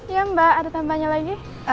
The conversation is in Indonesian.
ya mbak ada tambahnya lagi